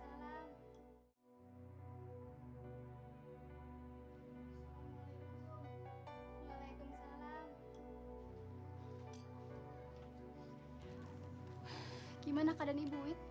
kalau begitu saya akan bicarakan dulu dengan anak anak mu